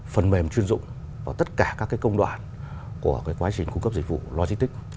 phần mềm chuyên dụng vào tất cả các công đoạn của quá trình cung cấp dịch vụ logistics